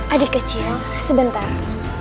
adik kecil sebentar